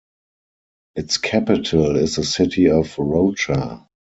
Its capital is the city of Rocha.